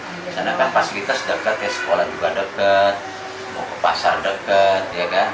misalkan fasilitas dekat sekolah juga dekat pasar dekat ya kan